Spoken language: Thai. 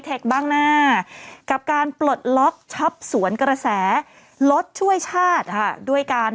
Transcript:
ที่บั้งน่ากับการปลดล็อคสวนกระแสรถช่วยชาติค่ะด้วยการ